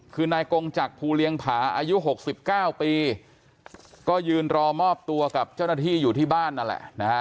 คือนายกงจักรภูเลียงผาอายุ๖๙ปีก็ยืนรอมอบตัวกับเจ้าหน้าที่อยู่ที่บ้านนั่นแหละนะฮะ